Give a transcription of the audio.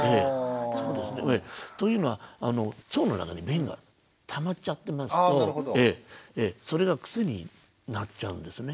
というのは腸の中に便がたまっちゃってますとそれが癖になっちゃうんですね。